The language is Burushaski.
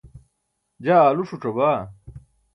jaa aalu ṣuc̣abaa